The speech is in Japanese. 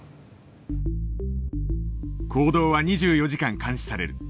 行動は２４時間監視される。